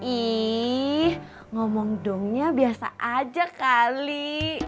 ih ngomong dongnya biasa aja kali